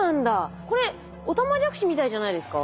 これオタマジャクシみたいじゃないですか？